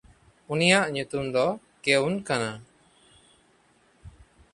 ᱩᱱᱤᱭᱟᱜ ᱧᱩᱛᱩᱢ ᱫᱚ ᱠᱮᱩᱱ ᱠᱟᱱᱟ᱾